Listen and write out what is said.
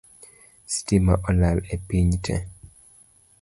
Sitima olal e piny tee